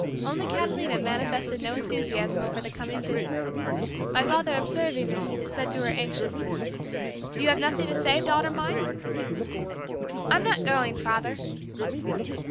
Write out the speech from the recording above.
Only Catalina manifested no enthusiasm over the coming visit. My father observing this said to her anxiously, "You have nothing to say, daughter mine?" "I'm not going, father."